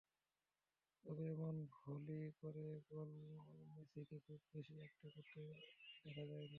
তবে এমন ভলি করে গোল মেসিকে খুব বেশি একটা করতে দেখা যায়নি।